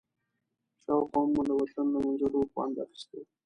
شاوخوا مو د وطن له منظرو خوند اخيسته.